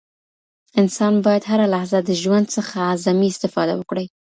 انسان باید هره لحظه د ژوند څخه اعظمي استفاده وکړي.